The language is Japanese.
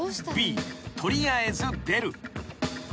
取りあえず出る］